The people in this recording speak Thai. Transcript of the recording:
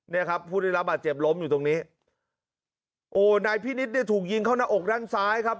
เนี่ยครับผู้ได้รับบาดเจ็บล้มอยู่ตรงนี้โอ้นายพินิษฐ์เนี่ยถูกยิงเข้าหน้าอกด้านซ้ายครับ